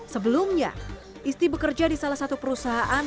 sebelumnya isti bekerja di salah satu perusahaan